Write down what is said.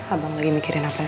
abang sedang memikirkan apa